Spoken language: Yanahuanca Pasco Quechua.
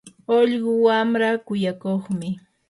ullqu wamraa kuyakuqmi.